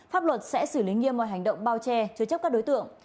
pháp luật sẽ xử lý nghiêm mọi hành động bao che chứa chấp các đối tượng